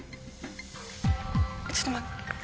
ちょっと。